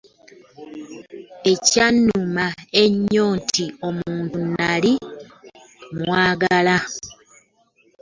Ekyannuma ennyo nti omuntu nnali mmwaagala.